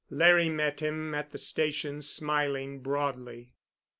Larry met him at the station, smiling broadly.